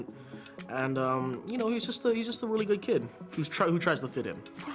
dan kamu tahu dia hanya seorang anak yang sangat baik yang mencoba untuk menemukan